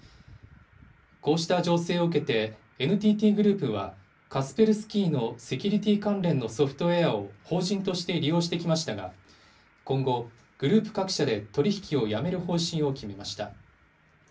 こうした情勢を受けて、ＮＴＴグループは、カスペルスキーのセキュリティー関連のソフトウエアを法人として利用してきましたが、今後、グループ各社で取り引きをやめる方針を決めました。